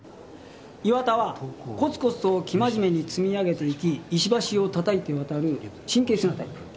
岩田はこつこつと生真面目に積み上げていき石橋を叩いて渡る神経質なタイプ。